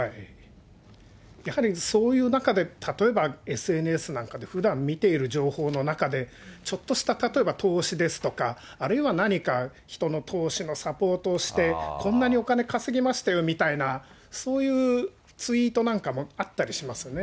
やはりそういう中で、例えばＳＮＳなんかで、ふだん見ている情報の中で、ちょっとした、例えば投資ですとか、あるいは何か、人の投資のサポートをして、こんなにお金稼げましたよみたいな、そういうツイートなんかもあったりしますよね。